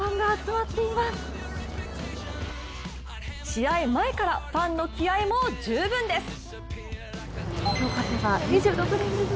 試合前からファンの気合いも十分です。